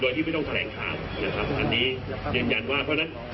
โดยที่ไม่ต้องแถลงข่าวนะครับอันนี้ยืนยันว่าเพราะฉะนั้น